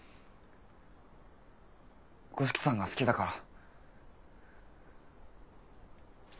五色さんが好きだから。